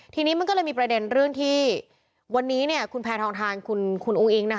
ทีนี้มันก็เลยมีประเด็นเรื่องที่วันนี้คุณแพทองทานคุณอุ้งอิ๊งนะคะ